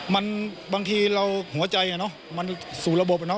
มันบางทีเราหัวใจอ่ะเนอะมันสู่ระบบอะเนาะ